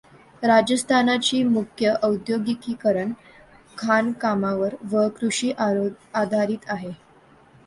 राजस्थानची मुख्य औद्योगिकीकरण खाणकामावर व कृषीआधारित आहे.